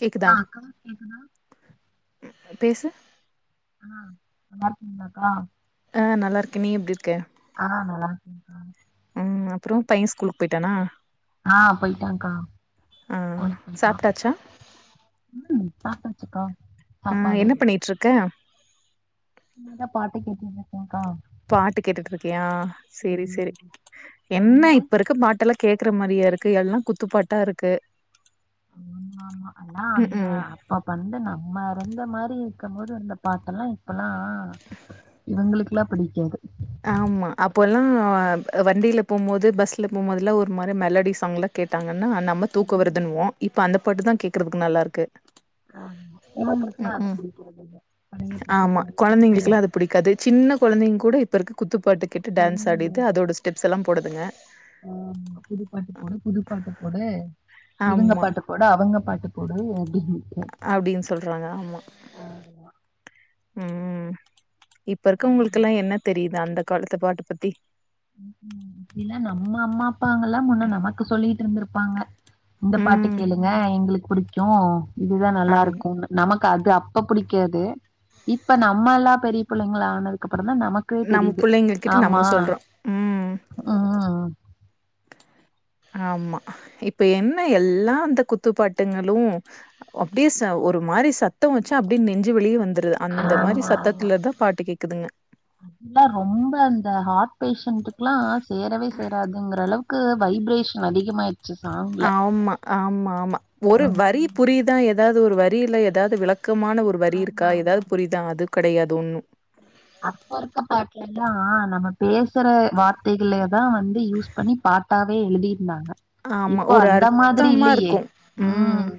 கேக்குதா ஹா அக்கா கேட்குதா பேசு ஆ நல்லாருக்கிங்களா கா ஆ நல்லாருக்கே நீ எப்டி இருக்க ஆ நல்லார்க்கே கா ம் அப்புற பையன் ஸ்கூலுக் போயிட்டானா ஆ போயிட்டான்க்கா ஆ ஸ்கூலுக்கு போயிட்டா சாப்ட்டாச்சா ம் பாத்தாச்சுக்கா அ என்ன பண்ணிட்ருக்க சும்மாதா பாட்டு கேட்டுட்ருக்கேக்கா பாட்டு கேட்டுட்டு இருக்கியா செரி செரி ம் என்ன நீங்க இப்ப இருக்க பாட்டெல்லா கேக்குற மாரியா இருக்கு எல்லா குத்துப்பாட்டா இருக்கு ஆமா ஆமா அதா ம் அண்ணா ம் அப்ப வந்து நம்ம இருந்த மாரி இருக்கும் போது வந்த பாட்டெல்லா இப்பல்லா இவுங்களுக்குல்லா பிடிக்காது ஆமா அப்போல்லா வண்டியில போம்போது பஸ்ல போம்போதுலா ஒரு மாரி மெலடி சாங்ல கேட்டாங்கன்னா நம்ம தூக்க ம் வருதுன்னுவோ இப்ப அந்த பாட்டுதா கேக்குறதுக்கு நல்லாருக்கு ஆமா பெரியவுங்களுக்குலா அது பிடிக்கு பழைய பாட்டு பழைய பாட்டு பிடிக்காது சின்ன குழந்தைங்க கூட இப்போ இருக்க குத்துப்பாட்டு கேட்டு டான்ஸ் ஆடிது அதோட ஸ்டெப்ஸ்செல்லா போடுதுங்க ஆ புது பாட்டு போடு புது பாட்டு போடு இவுங்க ஆமா பாட்டு போடு அவுங்க பாட்டு போடு அப்படின்ட்டு அப்டின் சொல்றாங்க ஆமா ம் இப்ப இருக்கவுங்களுக்கு எல்லா என்ன தெரியுது அந்த காலத்து பாட்ட பத்தி ம்ம் இல்ல நம்ம அம்மா அப்பாங்கல்லா முன்ன நமக்கு சொல்லிட்டு இருந்திருப்பாங்க இந்த பாட்டு ம் கேளுங்க எங்ளுக்கு புடிக்கு இதுதா ஆம் நல்லாருக்குனு நமக்கு அது அப்ப புடிக்காது இப்ப நம்மலா பெரிய புள்ளைங்கிளானதுக்கு அப்பற தா நமக் நம்ம புள்ளைங்க கிட்ட நம்ம சொல்றோ ம் ஆ ஆமா இப்ப என்ன எல்லா அந்த குத்துப்பாட்டுங்களு அப்டியே ச ஒரு மாரி சத்த வச்சா அப்டியே நெஞ்சு வலியே வந்துருதா அந்த மாரி சத்தத்துலதா பாட்டு கேக்குதுங்க அதுலா ரொம்ப அந்த ஹார்ட் பேஷன்ட்டுக்லா சேரவே சேராதுங்குற அளவுக் க்கு வைப்ரேஷன் அதிகமாய் ஆம்மா ஆம்மாமா ஒரு வரி புரிதா ஏதாது ஒரு வரில ஏதாவ்து விளக்கமான ஒரு வரி இருக்கா ஆமா ஆமா ஏதாவது புரிதா அது கடையாது ஒன்னு அப்பருக்க பாட்ல ல்லா நம்ம பேசற வார்த்தைகளே தா வந்து யூஸ் பண்ணி பாட்டாவே எழுதியிருந்தாங்க ஆமா இப்ப ஒரு அந்த மாதிரி அர்த்தமா இல்லையே இருக்கு ம்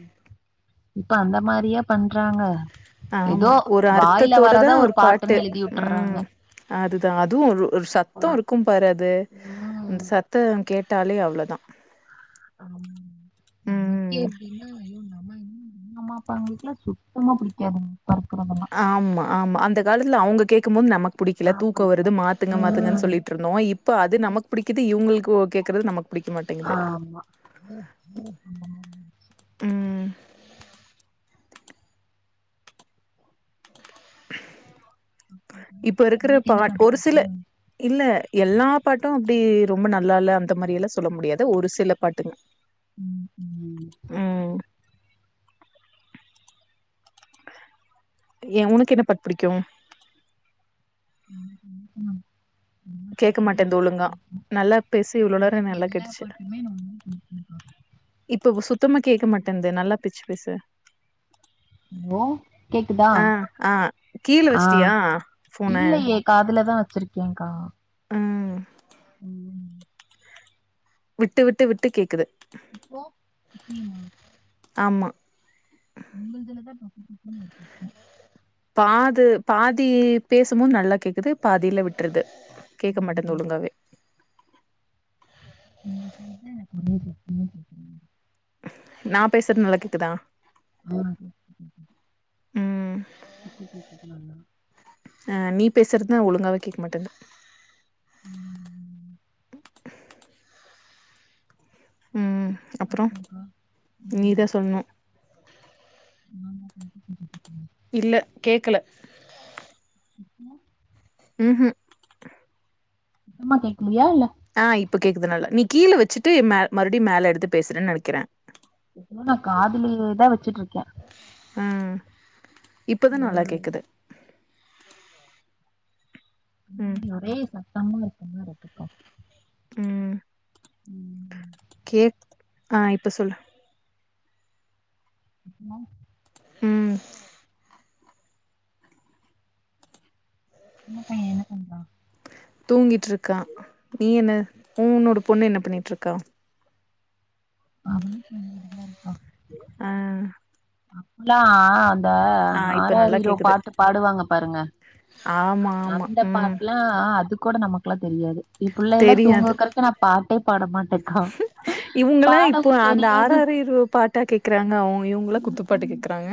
இப்ப அந்த மாரியா பண்றாங்க ஏதோ ஆமா ஒரு வாயில அர்த்தத்தோடதா வரத ஒரு பாட்டு பாட்டுன்னு எழுதி விட்டுறாங்க ம் அதுதா அதுவு ஒரு ஒரு சத்தோ இப்பல்லா இருக்கும் பாரது அந்த ம் சத்த கேட்டாலே அவ்ளதா ஆமா நமக்கே அப்டின்னா ஐயோ நம்ம அம்மா அப்பாங்களுக்லா சுத்தமா புடிக்காதுங்க ஆமா ஆமா அந்த காலத்துல அவுங்க கேக்கு போது நமக்கு புடிக்ல எனக்கு தூக்க பிடிக்கல வருது மாத்துங்க மாத்துங்கன் ம் சொல்லிட்ருந் தோ இப்ப அது நமக் புடிக்கிது இவுங்குளுக்கு ஒ கேக்கறது நமக் புடிக்க மாட்டேங்குது ஆமா ம் இப்ப இருக்கிற உங்களுக்கு என்ன பாட் பாட்டு ஒரு பிடிக்கு சில இல்ல எல்லா பாட்டு அப்டி ரொம்ப நல்லால்ல அந்த மாரியெல்லா சொல்ல முடியாது ஒரு சில பாட்டுங் ம் எ உனுக்கென்ன பாட் புடிக்கு ம் கேக்க மாட்டேன்து ஒழுங்கா நல்லா பேசு இவ்ளோ நேரோ எனக்கு நல்லா எல்லா கேட்டுச்சு பாட்டுமே ரொம்ப புடிக்கு இப்ப சுத்தமா கேக்க மாட்டன்து நல்லா பிச்சு பேசு ஓ கேக்குதா அ அ கீழ வச்சிட்டியா ஃபோன காதுலதா வச்சிருக்கேங்க்கா ம் ம் விட்டு விட்டு விட்டு கேக்குது இப்போ இப்பியுமா ஆமா ஒங்கலுதுலதா பக்கத்து பக்கத்லனு வச்சுருக்கோ பாது பாதி பேசும்போத் நல்லா கேக்குது பாதில விட்றுது கேக்க மாட்டேன்து ம். ஒழுங்காவே நீங்க சொல்லிதா ரொம்ப புடிக்கு ரொம்ப புடிக்கு நா பேசற்த் நல்லா கேக்குதா அ ம் இப்ப கேக்குது நல்லா அ நீ பேசற்தா ஒழுங்காவே கேக்க மாட்டன்து ம் ம் அப்புறோ அப்புறம்க்கா ம். நீதா சொல்ணு [inaudible] இல்ல கேக்கல [inaudible] ம் ஹு சுத்தமா கேக்குலியா இல்ல அ இப்ப கேக்குது நல்ல நீ கீழ வெச்சுட்டு மே மறுடி மேல எடுத்து பேசுற நெனக்கிற இன்னு நா காதுலேதா வெச்சுட்ருக்கே அ இப்பதா ஆ, நல்லா கேக்குது ம் பின்னாடி ஒரே சத்தமா இருக்கமாருக்குக்கா ம் ம் ம் ம் கேக் அ இப்ப சொல்லு [inaudible] ம் சின்ன பைய என்ன பன்றா தூங்கிட்ருக்கா நீ என்ன உ உன்னோட பொண்ணு என்ன பண்ணிட்ருக்கா அவளு தூங்கிட்டுதாருக்கா அ அப்புலா அந்த ஆ இப்ப நல்லா ஆராரிரோ கேக்குது பாட்டு பாடுவாங்க பாருங்க ஆமா ஆமா அந்த ம் பாட்லா அது கோட நமக்குலா தெரியாது ஏ புள்ளை எல்லா தூங்க தெரியாது வெக்கற்க்கு நா பாட்டே பாட மாட்டேங்கா இவுங்கலா இப்போ அந்த ஆராரிரோ பாட்டா கேக்குறாங்க அவங்க இவுங்களா குத்துப்பாட்டு கேக்குறாங்க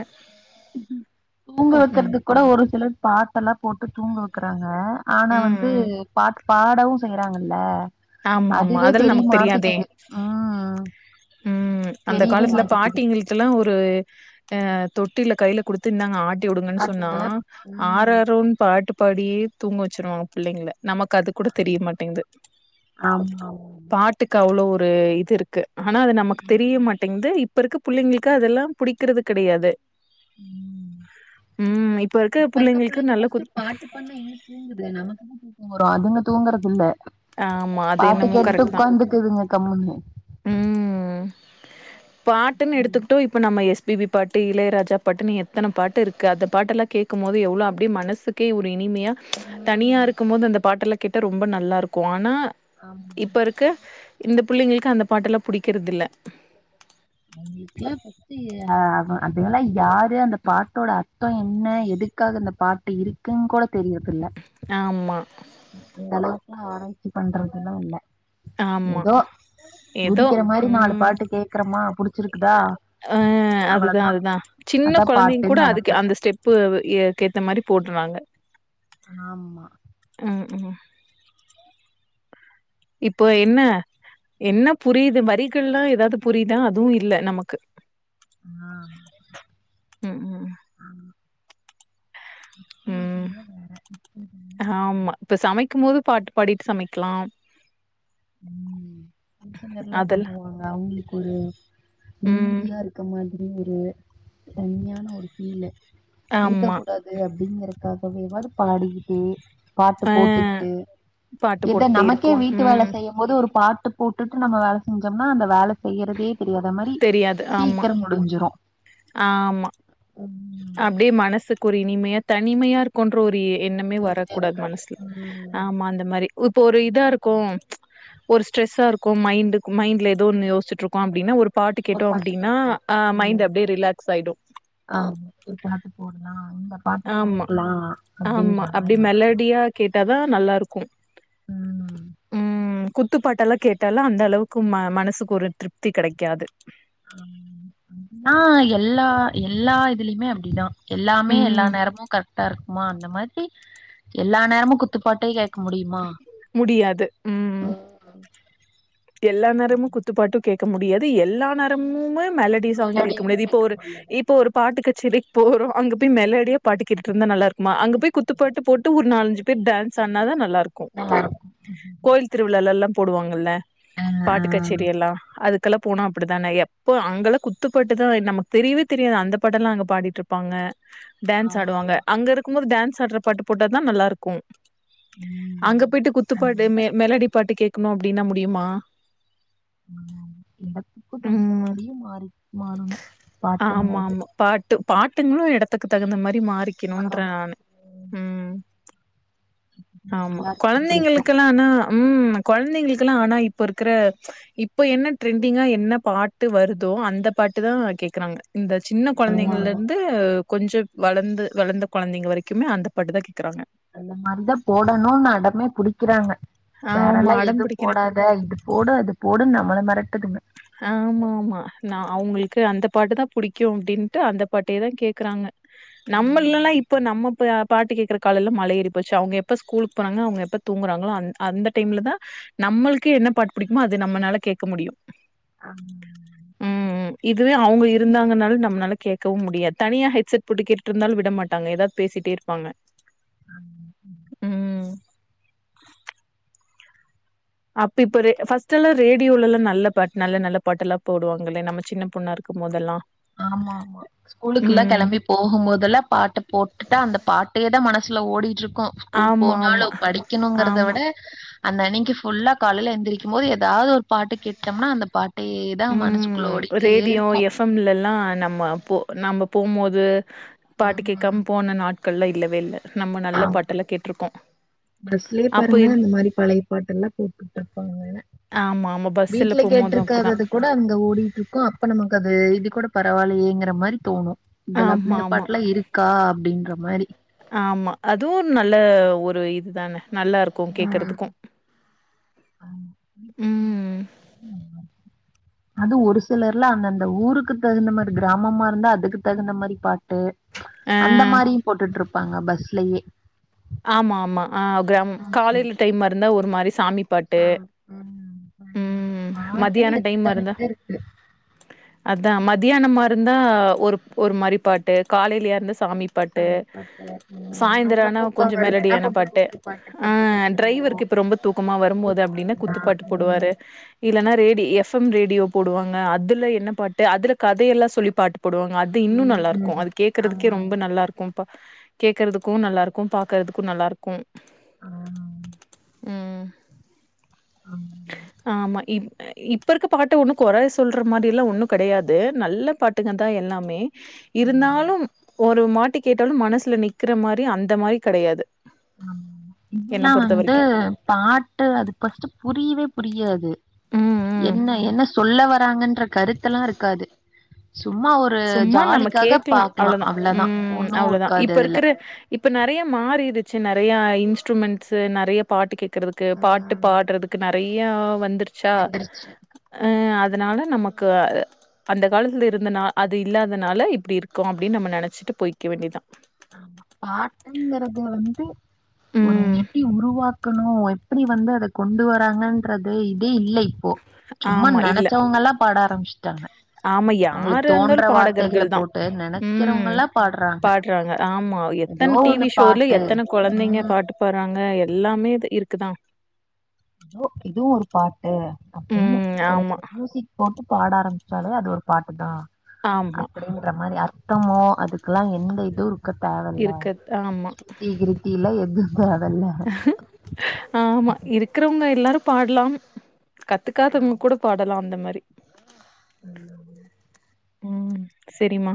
தூங்க ம் ம் வக்கற்துக் கொட ஒரு சிலர் பாட்டல்லா போட்டு தூங்க வக்குறாங்க ஆனா ம் வந்து ம் பாட் பாடவு செய்றாங்கல்ல ஆம் ஆமா அதுவே அதல் தெரிய நமக் தெரியாதே மாட்டேங்குது. ம். ம் அந்த தெரியவே காலத்துல மாட்டேங்குது. பாட்டிங்களுக்ளா ஒரு அ தொட்டில கைல குடுத் த் இன்னாங்க ஆட்டி உடுங்கன் சொன்னா பாட்டுங்கன்னா ஆராரோன் பாட்டு படியே தூங்க வச்சிருவாங்க புள்ளைங்ள நமக் அது கூட தெரியமாட்டேங்து ஆம்மா பாட்டுக்கு அவ்ளோ ஒரு இது இருக்கு ஆனா அது நமக்கு தெரியமாட்டேங்து இ இப்ப இருக்க புள்ளைங்ளுக்கு அதல்லா புடிக்கிறது கடையாது ம் இப்ப இருக்க புள்ளைங்ளுக்கு நல்ல குத் [inaudible] எங்க தூங்குது நமக்கு தா தூக்க வரு அதுங்க தூங்குறது இல்ல ஆமா அது பாட்டு என்னமோ கேட்டுட்டு கரெக்ட் தா உக்காந்துக்குதுங்க கம்முண்ணு ம் பாட்டுன் எடுத்துக்ட்டு இப்ப நம்ம எஸ் பி பி பாட்டு இளையராஜா பாட்டுனு எத்தன பாட்டு இருக்கு அந்த பாட்டல்லா கேக்கும்போது எவ்ளோ அப்டே மனசுக் கே ஒரு இனிமயா தனியா இருக்குமோது அந்த பாட்டல்ல கேட்ட ரொம்ப நல்லாருக்கு ஆனா இப்ப இருக்க இந்த புள்ளைங்களுக்கு அந்த பாட்டல்லா புடிக்கிறதுல்ல ஒங்ளுக்ளா [inaudible] தி ய அ அதுகல்லா யாரு அந்த பாட்டோட அர்த்தோ என்ன எதுக்காக அந்த பாட்டு இரு குங்கூட தெரியர்துல்ல ஆமா அந்த அளவுக்குலா ஆராய்ச்சி பண்றதுல்லா இல்ல ஆமா ஏதோ ஏதோ குதிக்கிற மாரி நாலு ம் பாட்டு கேக்குறமா புடிச்சிருக்குதா ஆ அதுதா அவ்வளதா அதுதா சின்ன அதா கொழந்தைங்க கூட பாட்டுன்னு அதுக்கு நெனப்பு அந் அந்த ஸ்டெப்பு ஏ கேத்த மாரி போடுறாங்க ஆமா ம் ம் இப்போ என்ன என்ன புரியுது வரிகள்ல்லா ஏதாது புரியுதா அதுவு இல்ல நமக்கு ஆ ம் ம் அம் ம். ஒவ்வொருத்தவங்களு வேற ஆமா இப்ப சமைக்கும்போது பாட்டு பாடிட்டு சமைக்கலா உம் புருஷங்கல்லா அதெல் பண்ணுவாங்க அவங்களுக்கு ஒரு ம். நிம்மதியா இருக் இருக்க மாதிரியு இல்ல ஒரு தனிமையான ஒரு ஃபீலு இருக்க ஆமா. கூடாதுன் பு அப்டிங்கறக்காகவே வாது பாடிகிட்டே பாட்டு அ போட்டுகுட்டு பாட்டு இத போட்டு நமக்கே இருக்குவாங்க. வீட்டு வேல ம். செ செய்யும் போது ஒரு பாட்டு போட்டுட்டு நம்ம வேல செஞ்சோம்னா அந்த வேல செய்யறதே தெரியாத மாரி தெரியாது. ஆமா, சீக்கிர முடிஞ்சிரு ஆமா ம் அப்டியே மனசுக்கு ஒரு இனிமையா தனிமையா இருக் கொன்ற ஒரு எண்ணமே எதுவுமே வரக்கூடாது இருக்காது. மனசில ம். ஆமா அந்த மாரி இப்போ ஒரு இதா இருக்கு ஒரு ஸ்ட்ரெஸா இருக்கு மைண்டுக்கு மைண்ட்ல ஏத ஒன்னு யோசிட்டு இருக்கோ அப்டின்னா ஒரு பாட்டு ஒரு கேட்டோ பாட்டு அப்டின்னா கேட்கலாம். அ மைண்ட் ம். அப்டியே ரிலாக்ஸ் ஆயிடு ஆமா ஒரு பாட்டு போடலா அந்த ஆமா ஆமா அப்டி மாரி. மெலேடியா கேட்டாதா நல்லா இருக்கு ம். ம் குத்துப்பாட்டு எல்லா கேட்டாலு அந்த அளவுக்கு ம மனசுக்கு ஒரு திருப்தி கெடைக்காது ஆம் நா எல்லா எல்லா இதுலயுமே அப்டிதா எல்லாமே எல்லா ம் நேரமு கரெக்டா இருக்கு மா அந்த மாரி எல்லா நேரமு குத்துப்பாட்டே கேக்க முடியுமா முடியாது ம் எல்லா நேரமு குத்துப்பாட்டு கேக்க முடியாது எல்லா நேரமுமே மெலடி சாங் கேக்க முடியாது இப்ப ஒரு இப்ப ஒரு பாட்டு கச்சேரிக்கு போறோ அங்க போய் மெலோடியா பாட்டுக்கேட்டுட்ருந்தா நல்லாருக்குமா அங்க போய் குத்துப்பாட்டு போட்டு ஒரு நாலஞ்சி குத்து டான்ஸ் ஆடுனாதா நல்லா இருக்கு ஆ கோயில் திருவிழால்ல போடுவாங்கல்ல அ, அ. பாட்டு கச்சேரி எல்லா அதுக் கலா போன அப்டித்தான எப்போ அங்க குத்துப்பாட்டுதா நமக்கு தெரியவே தெரியாது அந்த பாட்டல்லா அங்க பாடிட்ருப் ப்பாங்க டான்ஸ் ஆமா, ஆமா. ஆடுவாங்க அங்க இருக்கும் போது டான்ஸ் ஆடுற பாட்டு போட்ட தா நல்லா இருக்கு ம். அங்க போயிட்டு குத்துப்பாட்டு அதனால மெலெடி பாட்டு கேக்கணு அப்டின்னா முடியுமா ஆமா ஆமா எடத்துக்கு தகுந்த ம் மாரியே மாறி மாறணு ஆமா பாட்டுங்கறது ஆமா பாட்டு பாட்டுங்களு எடத்துக்கு தகுந்த மாரி மாறிக்கணுன்ற மாறணும். நானு ம் உம் ஆமா எல்லாருக்கும் பிடிக்கும். கொழந்தைங்களுக்கு ஆனா ம் கொழந்தைங்களுக்கெல்லா ஆனா இப்ப இருக்குற இப்போ என்ன ட்ரெண்டிங்கா என்ன பாட்டு வருதோ அந்த பாட்டு தா கேக்கறாங்க இந்த சின்ன ஆமாமா. கொழந்தைங்கள்லருந்து கொஞ்சோ வளர்ந்து வளர்ந்த கொழந்தைங்க வரைக்குமே அந்த பாட்டுதா கேக்குறாங்க அந்த மாரிதா போடணு அடமே குடிக்கிறாங்க ஆமா வேறல்லா அடம் எதுவு புடிக்கிறே போடா த இது போடு அது போடு நம்மள மேறட்டுதுங்க ஆமா ஆமா நா அவங்களுக்கு அந்த பாட்டு தா புடிக்கு அப்டின்ட்டு அந்த பாட்டே தா கேக்கறாங்க நம்மெல்லா இப்ப நம்ம ப்ப பாட்டு கேக்கற காலேல்ல மலயேறி போச்சி அவங்க எப்போ ஸ்கூல்க்கு போனாங்னா அவங்க எப்ப தூங்குறாங்களே அந் அந்த டைமில்லதா நம்மளுக்கு என்ன பாட்டு புடிக்குமோ அது நம்மளால கேட்க முடியு ஆ ம் ம் இதுவே அவுங்க இருந்தாங்கன்னால நம்னால கேட்கவு முடியாது தனியா ஹெட்செட் போட்டு கேட்டுட்டு இருந்தாலு விட மாட்டாங்க எதாவத் பேசிட்டே இருப்பாங்க ம் ம் அப்ப இப்ப ரே ஃபஸ்ட்டெல்லா ரேடியோலெல்லா நல்ல பாட் நல்ல நல்ல பாட்டல்லா போடுவாங்களே நம்ம சின்ன பொண்ணாருக் இருக்கும்போதல்லா ஆமாமா ஸ்கூலுக்குல்லா கெளம்பி போகும்போதல்ல பாட்டு போட்டுட்டா அந்த பாட்டே தா மனசுல ஓடிட்டுருக்கு ஸ்கூல் ஆமா போனாலு ஆமா படிக்கணுங்கறத ஆமா விட அன்னனைக்கி ஃபுல்லா காலையில எழுந்திரக்கும் போது ஏதாவது ஒரு பாட்டு கேட்டோம்னா அந்த பாட் அதே தா மனசுக்குள்ள ஓடிட்டே இருக்கு எஃப்எம்மில்லலா நம்ம போ நம்ம போம்போது பாட்டு ம் கேட்காம போன நாட் கள்லா இல்லவே இல்ல நம்ம நல்ல பாட்டல கேட்ருக்கோ பஸ்லே அப்ப பாருங்க இரு இந்த மாரி பழைய பாட்டெல்லா போட்டுட்டு இருப்பாங்க ஆமா ஆமா பஸ்ஸுல வீட்ல போம்போது அப்டிதா கேட்டுருக்காதது கூட அங்க ஓடிட்டுருக்கு இப்ப நமக்கு அது இது கூட பரவால்லயே எங்கற மாரி தோணு இதெல்லா அப் ஆமா இந்த ஆமா பாட்டெல்லா இருக் கா அப்டின்ற மாரி ஆமா அதுவு நல்ல ஒரு இதுதான நல்லாருக்கு ம் கேக்கறதுக்கு ம் ம்ஹும் அது ஒரு சிலர்ல அந்த அந்த ஊருக்கு தகுந்த மாரி கிராமமாருந்தா அதுக்கு தகுந்த மாரி பாட் டு ஆ அந்த மாரியு போட்டுட்டு இருப்பாங்க பஸ்லயே ஆமாமா ஆ கிரா காலையில டைம்மாருந்தா ஒரு மாரி சாமி பாட்டு ம் [inaudible] பாட்டுல்ல மதியான எத்தனையோருக்கு அதா மத்தியானமாருந்தா ஒரு ஒரு மாரி பாட்டு காலையிலேருந்த சாமி பாட்டு சாமி பாட்டு அ அம்பத்தோ கொஞ்சோ மெலடியான பாட்டு அ டிரைவருக்கு இப்போ ரொம்ப தூக்கமா வரும்போது அப்படின்னா குத்துப்பாட்டு போடுவாரு இல்லன்னா ரேடியோ எஃப் எம் ரேடியோ போடுவாங்க அதுல என்ன பாட்டு அதுல கதையெல்லா சொல்லி பாட்டு போடுவாங்க தி இன்னு நல்லாருக்கு அது ஆமா. கேக்குறதுக்கே ரொம்ப நல்லாருக்கு கேக்குறதுக்கு நல்லாரு க்கு பாக்கறதுக்கு நல்லாருக்கு அ ம் ஆமா இப் இப்ப இருக்க பாட்டு ஒன்னு கொற சொல்ற மாரியெல்லா ஒன்னு கெடையாது நல்ல பாட்டுங்க தா எல்லாமே இருந்தாலும் ஒரு மாட்டி கேட்டாலு மனசுல நிக்கிற மாரி அந்த மாரி கெடையாது என்ன இதெல்லா பொறுத்த வந்து வரைக்கும். பாட்டு அதுக ஃபஸ்ட்டு புரியவே புரியாது ம் ம். என்ன என்ன சொல்ல வராங்கன்ற கருத்தெல்லா இருக்காது சும்மா ஒரு சும்மா நம்ம ஜாலிக்காக கேக்கலா பாக்கலாம். அவ்ளதா அவ்ளதான். ம் ஒண்ணும் அவ்ளதா இருக்காது இப்ப அதுல. இருக்குற இப்ப நெறய மாறிருச்சு நெறயா இன்ஸ்ட்ருமெண்ட்ஸு நெறயா பாட்டு கேக்குறதுக்கு பாட் டு பாடுறதுக்கு நெறயா வந்துரு சா வந்துருச்சு. அ அதனால நமக்கு அந்த காலத்துல இருந்த நா அது இல்லாதனால இப்டி இருக்கோ அப்டின்னு நம்ம நெனச்சிட்டு போய்க்க வேண்டிதா ஆமா பாட்டுங்கறத வந்து ஒரு ம் எப்டி உருவா க்கணு எப்டி வந்து அத கொண்டு வராங்கன்றது இதே இல்ல இப்போ சும்மா ஆமா இல்ல நெனைச்சவங்க எல்லா பாட ஆரம்பிச்சுட்டாங்க ஆமா அவுங்களுக்கு யாரு இருந்தாலு தோன்ற வார்த்தைகள பாடகர்கள் தா போட்டு நெனக்கிறவங்கல்லா பாடுறாங்க றாங்க ஆமா ஏதோ எத்தன ஒண்ணு டிவி ஷோல பாட்டு எத்தன கொழந்தைங்க ம் பாட்டு பாடுறாங்க எல்லாமே இருக்குதா ஏதோ இதுவு ஒரு பாட்டு அப்டின்னு ம் ஒரு ஆமா மியூசிக் போட்டு பாட ஆரம்பிச்சாலே அது ஒரு பாட்டு தா ஆமா அப்டின்னு ன்ற மாரி அர்த்தமோ அதுக்கெல்லா எந்த இதுவு இருக்க தேவ இல்ல இருக்குது ஆமா சுத்தி இரு டில எது தேவ இல்ல ஆமா இருக்குறவங்க எல்லாரு பாடலாம் கத்துக்காதவுங்க கூட பாடலா அந்த மாரி ம் ம் சேரி மா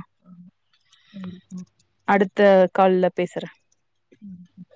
சேரி கா அடுத்த கால்ல பேசுறே ம்